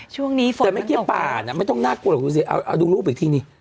ช่วงนี้ฝนมันตกเลยแต่ไม่เกี่ยวป่าน่ะไม่ต้องน่ากลัวหรอกคุณสิเอาดูรูปอีกทีนี้